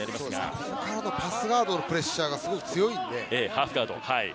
ここからのパスガードのプレッシャーが強いので。